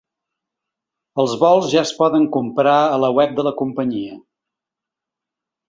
Els vols ja es poden comprar a la web de la companyia.